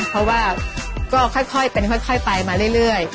เพราะว่าก็ค่อยเป็นค่อยไปมาเรื่อย